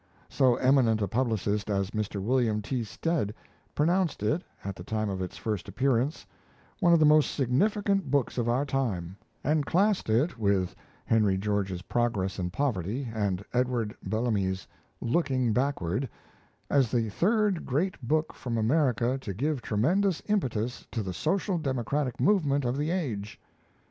So eminent a publicist as Mr. William T. Stead pronounced it, at the time of its first appearance, one of the most significant books of our time; and classed it (with Henry George's 'Progress and Poverty' and Edward Bellamy's 'Looking Backward') as the third great book from America to give tremendous impetus to the social democratic movement of the age.